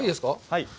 はい。